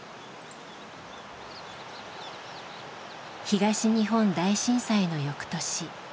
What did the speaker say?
東日本大震災の翌年。